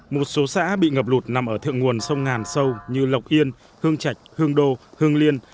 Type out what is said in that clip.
một số xã bị ngập lụt nằm ở thượng nguồn sông ngàn sâu như lộc yên hương trạch hương đô hương liên